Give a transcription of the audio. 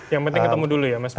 yang penting ketemu dulu ya mas